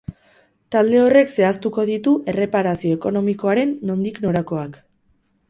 Talde horrek zehaztuko ditu erreparazio ekonomikoaren nondik norakoak.